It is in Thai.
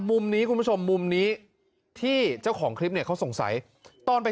มุมนี้คุณผู้ชมมุมนี้ที่เจ้าของคลิปเนี่ยเขาสงสัยตอนไป